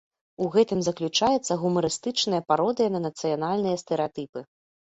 У гэтым заключаецца гумарыстычная пародыя на нацыянальныя стэрэатыпы.